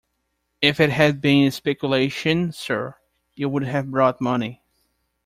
If it had been a speculation, sir, it would have brought money.